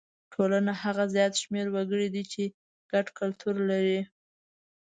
ټولنه هغه زیات شمېر وګړي دي چې ګډ کلتور لري.